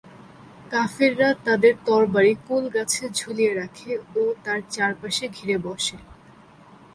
কাফিররা তাদের তরবারি কুল গাছে ঝুলিয়ে রাখে ও তার চারপাশে ঘিরে বসে।